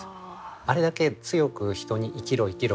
あれだけ強く人に生きろ生きろ